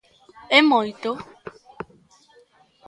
¿É moito?